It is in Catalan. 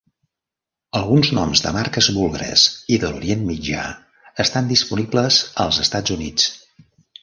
Alguns noms de marques búlgares i de l'Orient Mitjà estan disponibles als Estats Units.